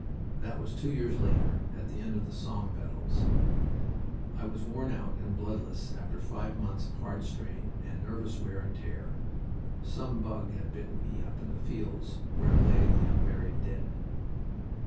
That was two years later, at the end of the Somme battles. I was worn out and bloodless after five months of hard strain and nervous wear and tear. Some bug had bitten me up in the fields where lay the unburied dead.